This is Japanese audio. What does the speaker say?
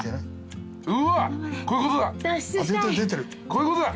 こういうことだ。